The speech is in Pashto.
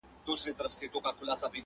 زموږ د تاریخ د اتلانو وطن؛